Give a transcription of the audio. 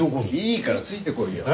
いいからついてこいよ。